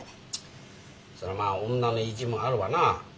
そりゃまあ女の意地もあるわな。